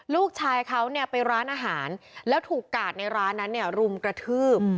ลูกชายเขาเนี่ยไปร้านอาหารแล้วถูกกาดในร้านนั้นเนี่ยรุมกระทืบ